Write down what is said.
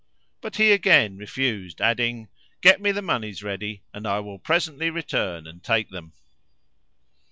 But he again refused adding, "Get me the monies ready and I will presently return and take them."